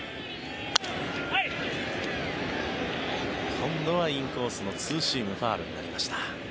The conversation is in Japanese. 今度はインコースのツーシームファウルになりました。